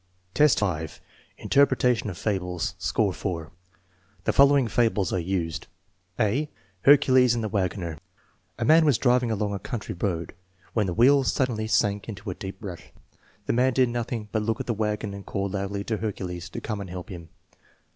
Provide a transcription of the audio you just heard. XEI, 5. Interpretation of fables (score 4) The following fables are used: (a) Hercules and the Wagoner A man was driving along a country road, when Hie wheels suddenly sank in a deep rut. The man did nothing but look at the wagon and call loudly to Hercules to come and help him.